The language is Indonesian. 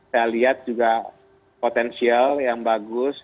saya lihat juga potensial yang bagus